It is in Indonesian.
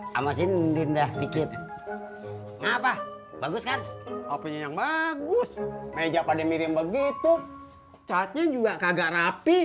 sama sindir sedikit apa bagus kan opo yang bagus meja pada mirim begitu catnya juga kagak rapi